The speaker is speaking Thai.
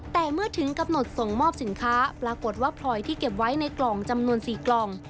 แต่เมื่อถึงกำหนดส่งมอบสินค้าปรากฏว่าพลอยที่เก็บไว้ในกล่องจำนวน๔กล่อง